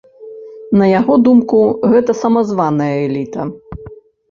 На яго думку, гэта самазваная эліта.